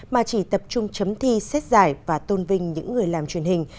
mà chỉ tập trung chấm thi xét giải và tôn vinh những người làm truyền hình